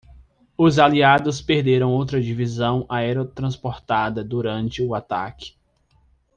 Os aliados perderam outra divisão aerotransportada durante o ataque.